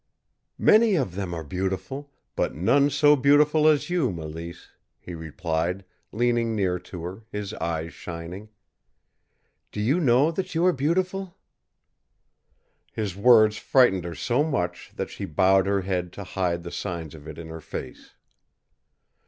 "Many of them are beautiful, but none so beautiful as you, Mélisse," he replied, leaning near to her, his eyes shining. "Do you know that you are beautiful?" His words frightened her so much that she bowed her head to hide the signs of it in her face.